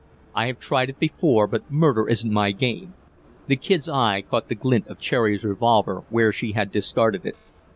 "I have tried it before, but murder isn't my game." The Kid's eye caught the glint of Cherry's revolver where she had discarded it.